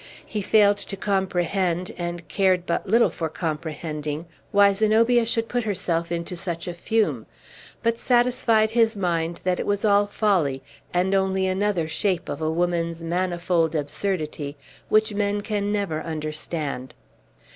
He failed to comprehend, and cared but little for comprehending, why Zenobia should put herself into such a fume; but satisfied his mind that it was all folly, and only another shape of a woman's manifold absurdity, which men can never understand.